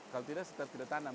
kalau tidak setelah tidak tanam